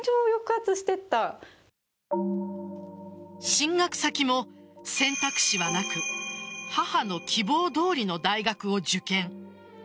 進学先も選択肢はなく母の希望どおりの大学を受験。